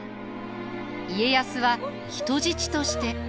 家康は人質として。